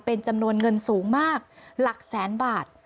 เป็นจำนวนเงินสูงมากหลักแสนบาท